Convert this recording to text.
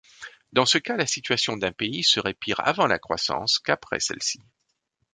Dans ce cas, la situation d'un pays serait pire avant la croissance qu'après celle-ci.